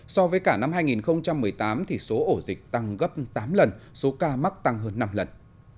so với cả năm hai nghìn một mươi tám số ổ dịch tăng gấp tám lần số ca mắc tăng hơn năm lần